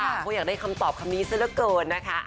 เขาอยากได้คำตอบคำนี้ซะละเกินนะคะ